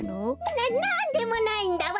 ななんでもないんだわべ。